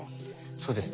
そうですね